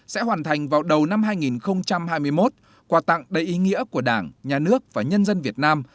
sẽ hoàn thành vào đầu năm hai nghìn hai mươi một quà tặng đầy ý nghĩa của đảng nhà nước và nhân dân việt nam